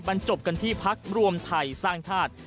บรรจบกันที่พักรวมไทยสร้างชาติ